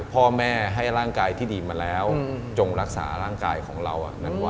พ่อแม่ให้ร่างกายที่ดีมาแล้วจงรักษาร่างกายของเรา